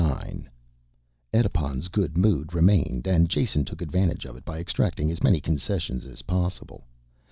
IX Edipon's good mood remained and Jason took advantage of it by extracting as many concessions as possible.